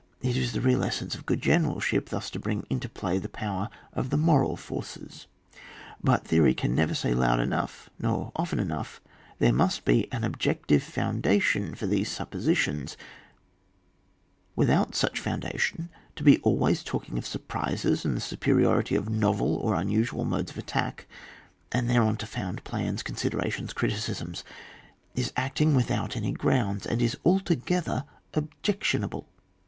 It is &e real essence of good generalship thus to bring into play the power of me moral forces ;— but theory can never say loud enough nor often enough there must be an t^jective founda tion for these suppositions ; without such foundation to be always talking of sur prises and the superiority of novel or unusual modes of attack, and thereon to found plans, considerations, criticisms, is acting without any grounds, and is alto gether objectionable.